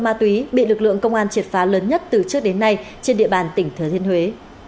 ma túy bị lực lượng công an triệt phá lớn nhất từ trước đến nay trên địa bàn tỉnh thừa thiên huế